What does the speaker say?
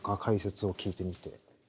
解説を聞いてみて。